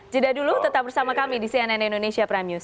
jeda dulu tetap bersama kami di cnn indonesia prime news